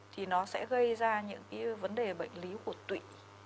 thì nó sẽ gây ra những cái vấn đề bệnh lý của tụy